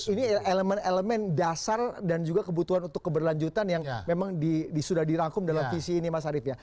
ini elemen elemen dasar dan juga kebutuhan untuk keberlanjutan yang memang sudah dirangkum dalam visi ini mas arief ya